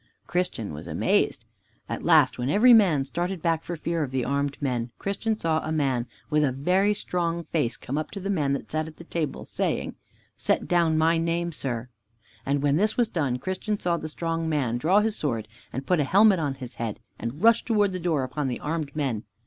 Christian was amazed. At last, when every man started back for fear of the armed men, Christian saw a man with a very strong face come up to the man that sat at the table, saying: "Set down my name, sir." And when this was done, Christian saw the strong man draw his sword and put an helmet on his head, and rush toward the door upon the armed men.